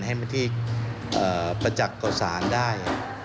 ให้มันที่ประจักษ์ต่อสารได้